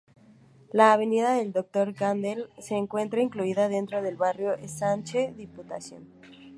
La avenida del Doctor Gadea se encuentra incluida dentro del barrio Ensanche Diputación.